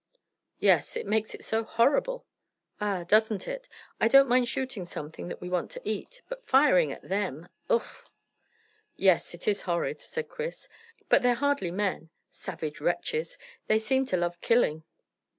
"Yes, it makes it so horrible." "Ah! Doesn't it? I don't mind shooting something that we want to eat. But firing at them Ugh!" "Yes, it is horrid," said Chris; "but they're hardly men. Savage wretches! They seem to love killing."